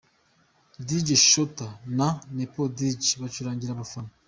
Dj Shooter na Nep Djs bacurangira abafana:.